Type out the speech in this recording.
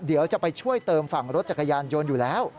เดี๋ยวจะไปช่วยเติมฝั่งรถจักรยานยนต์อยู่แล้ว